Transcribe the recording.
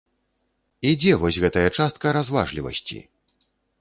І дзе вось гэтая частка разважлівасці?